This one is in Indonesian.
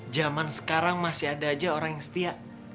zaman sekarang masih ada aja orang yang setia